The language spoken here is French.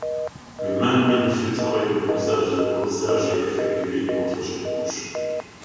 Le même minutieux travail de ponçage et de polissage est effectué entre chaque couche.